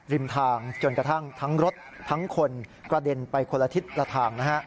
ริมทางจนกระทั่งทั้งรถทั้งคนกระเด็นไปคนละทิศละทางนะฮะ